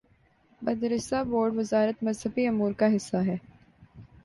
مدرسہ بورڈوزارت مذہبی امور کا حصہ ہے۔